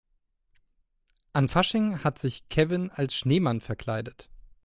An Fasching hat sich Kevin als Schneemann verkleidet.